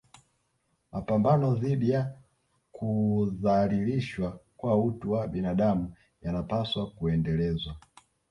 Mapambano dhidi ya kudhalilishwa kwa utu wa binadamu yanapaswa kuendelezwa